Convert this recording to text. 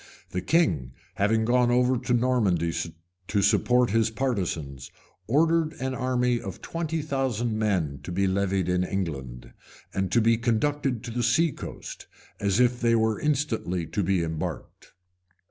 The king, having gone over to Normandy to support his partisans, ordered an army of twenty thousand men to be levied in England, and to be conducted to the sea coast, as if they were instantly to be embarked.